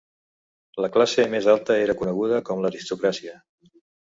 La classe més alta era coneguda com l'aristocràcia.